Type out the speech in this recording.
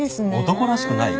男らしくない？